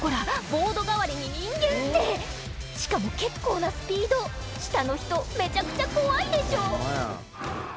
ボード代わりに人間ってしかも結構なスピード下の人めちゃくちゃ怖いでしょ